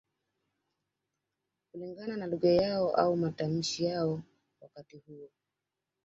Kulingana na lugha yao au matamshi yao wakati huo